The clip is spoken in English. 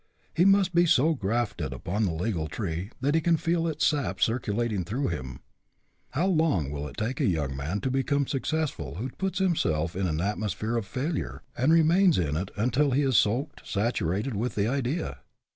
He must be so grafted upon the legal tree that he can feel its sap circulating through him. How long will it taka a young man to become successful who puts himself in an atmosphere of failure and remains in it until 6 HE CAN WHO THINKS HE CAN he is soaked, saturated, with the idea?